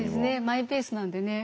マイペースなんでね。